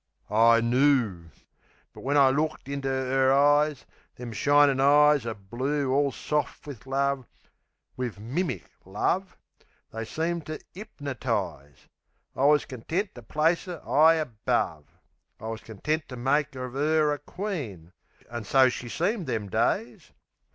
I knoo. But when I looked into 'er eyes Them shinin' eyes o' blue all soft wiv love Wiv MIMIC love they seemed to 'ipnertize. I wus content to place 'er 'igh above. I wus content to make of 'er a queen; An' so she seemed them days...